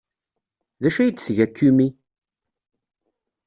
D acu ay d-tga Kumi?